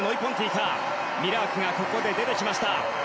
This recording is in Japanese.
ミラークが出てきました。